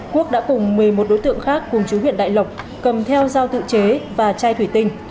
quốc đã cùng một mươi một đối tượng khác cùng chú huyện đại lộc cầm theo dao tự chế và chai thủy tinh